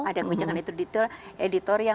ada kebijakan editorial